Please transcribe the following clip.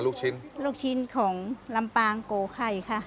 บุคชิ้นของลำปางโกไข่ค่ะ